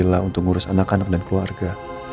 jangan sampai keluar ya